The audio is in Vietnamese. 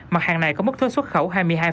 mặt hàng này có mức thuế xuất khẩu hai mươi hai